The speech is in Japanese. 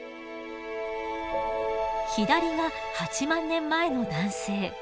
左が８万年前の男性。